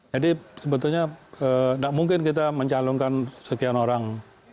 jadi sebetulnya tidak mungkin kita mencalonkan sekian orang